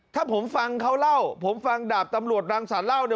ถ้าผมฟังเขาเล่าผมฟังดาบตำรวจรังสรรคเล่าเนี่ย